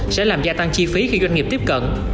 sẽ làm gia tăng chi phí khi doanh nghiệp tiếp cận